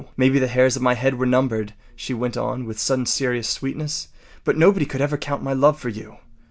Maybe the hairs of my head were numbered,” she went on with sudden serious sweetness, “but nobody could ever count my love for you.